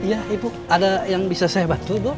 iya ibu ada yang bisa saya bantu ibu